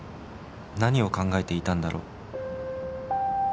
「何を考えていたんだろう」